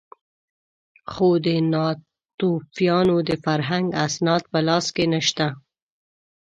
خو د ناتوفیانو د فرهنګ اسناد په لاس کې نه شته.